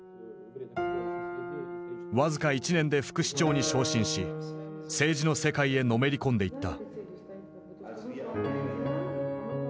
僅か１年で副市長に昇進し政治の世界へのめり込んでいった。